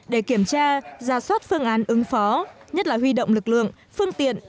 để kiểm tra ra soát phương án ứng phó nhất là huy động lực lượng phương tiện